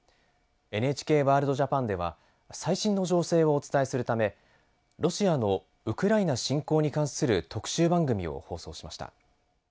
「ＮＨＫワールドＪＡＰＡＮ」では最新の情勢をお伝えするためロシアのウクライナ侵攻に関する特集番組を放送しました。